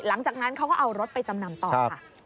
หลังจากนั้นเขาก็เอารถไปจำนำต่อค่ะ